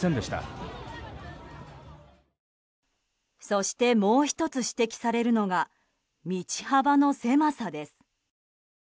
そしてもう１つ指摘されるのが道幅の狭さです。